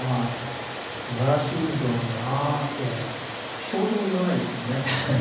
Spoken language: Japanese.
一言も言わないですもんね。